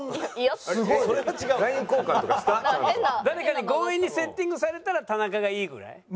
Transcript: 誰かに強引にセッティングされたら田中がいいぐらい？